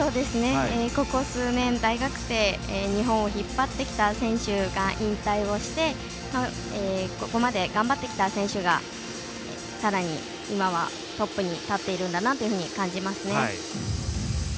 ここ数年、大学生日本を引っ張ってきた選手が引退をしてここまで頑張ってきた選手がさらに今はトップに立っているんだなというふうに感じますね。